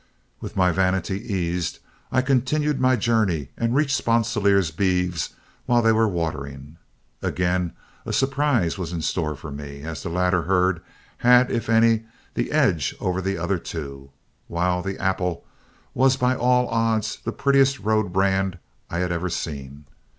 With my vanity eased, I continued my journey and reached Sponsilier's beeves while they were watering. Again a surprise was in store for me, as the latter herd had, if any, the edge over the other two, while "The Apple" was by all odds the prettiest road brand I had ever seen.